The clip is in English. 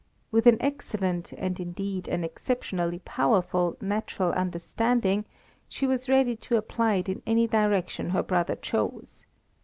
With an excellent, and indeed an exceptionally powerful, natural understanding, she was ready to apply it in any direction her brother chose.